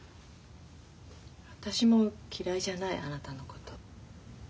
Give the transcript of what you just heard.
私も嫌いじゃないあなたのこと。